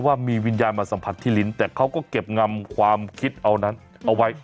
ว่ามีวิญญาณมาสัมผัสที่ลิ้นแต่เขาก็เก็บงำความคิดเอานั้นเอาไว้